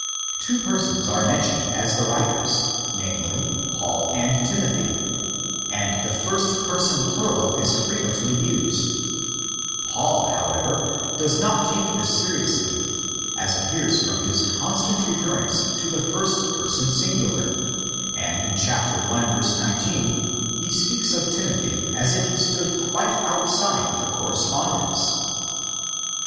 Two persons are mentioned as the writers—namely, Paul and Timothy—and the first person plural is frequently used. '' Paul," however, THE SECOND EPISTLE 197 does not take this seriously, as appears from his con stant recurrence to the first person singular; and in i. 19 he speaks of Timothy as if he stood quite out side the correspondence.